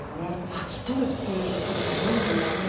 巻き取るということはどういうことになるんですか？